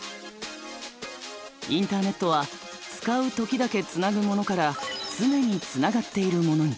インターネットは使う時だけつなぐものから常につながっているものに。